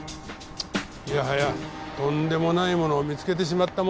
いやはやとんでもないものを見つけてしまったもんだ。